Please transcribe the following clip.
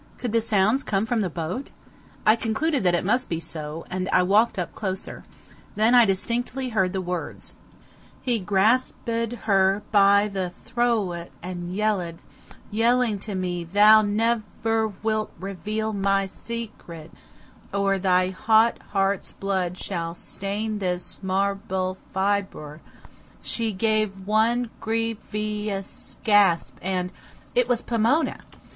Could the sounds come from the boat? I concluded that it must be so, and I walked up closer. Then I heard distinctly the words: "He grasp ed her by the thro at and yell ed, swear to me thou nev er wilt re veal my se cret, or thy hot heart's blood shall stain this mar bel fib or; she gave one gry vy ous gasp and " It was Pomona!